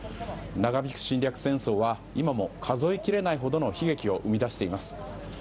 長引く侵略戦争は今も数えきれないほどの悲劇を生み出しています。